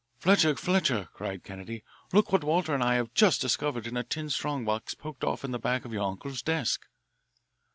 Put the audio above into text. "Fletcher, Fletcher," cried Kennedy, "look what Walter and I have just discovered in a tin strong box poked off in the back of your uncle's desk!"